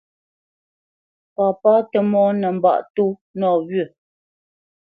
Papá Tə́mɔ́ nə́ mbâʼ tó nɔwyə́.